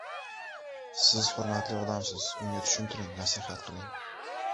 “Siz hurmatli odamsiz, unga tushuntiring, nasihat qiling